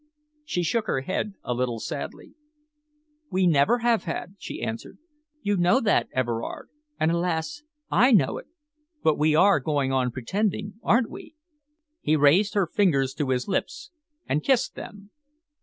She shook her head a little sadly. "We never have had," she answered. "You know that, Everard, and alas! I know it. But we are going on pretending, aren't we?" He raised her fingers to his lips and kissed them.